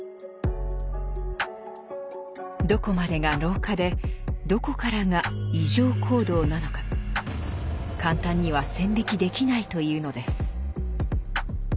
どこまでが老化でどこからが異常行動なのか簡単には線引きできないというのです。